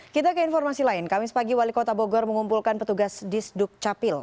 kita ke informasi lain kamis pagi wali kota bogor mengumpulkan petugas disduk capil